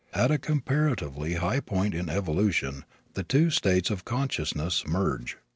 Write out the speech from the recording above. At a comparatively high point in evolution the two states of consciousness merge.